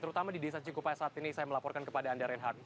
terutama di desa cikupai saat ini saya melaporkan kepada anda reinhardt